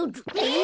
え！？